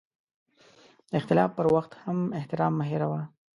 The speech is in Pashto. د اختلاف پر وخت هم احترام مه هېروه.